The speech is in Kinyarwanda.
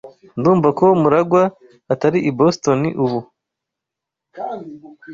Ndumva ko MuragwA atari i Boston ubu.